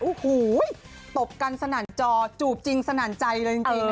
โอ้โหตบกันสนั่นจอจูบจริงสนั่นใจเลยจริง